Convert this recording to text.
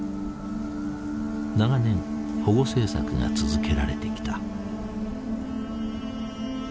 長年保護政策が続けられてきた。